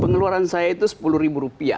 pengeluaran saya itu sepuluh rupiah